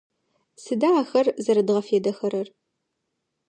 Сыда ахэр зэрэдгъэфедэхэрэр?